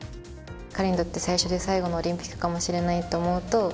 彼にとって最初で最後のオリンピックかもしれないと思うと。